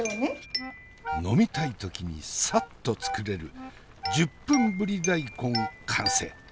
呑みたい時にサッと作れる１０分ぶり大根完成。